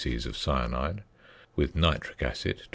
of cyanide " nitric acid 22.